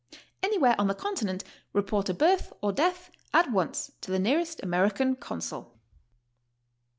Anywhere on the Continent report a birth or death at once to the nearest American consul.